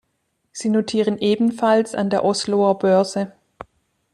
Sie notieren ebenfalls an der Osloer Börse.